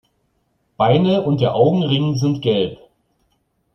Beine und der Augenring sind gelb.